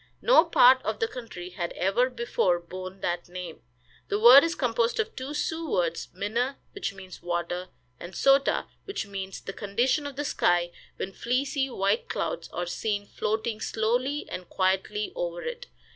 No part of the country had ever before borne that name. The word is composed of two Sioux words, "Minne," which means water, and "Sota," which means the condition of the sky when fleecy white clouds are seen floating slowly and quietly over it.